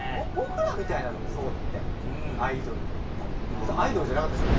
別にアイドルじゃなかったでしょ？